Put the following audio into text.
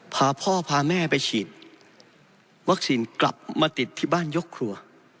พาพ่อพาแม่ไปฉีดวัคซีนกลับมาติดที่บ้านยกครัว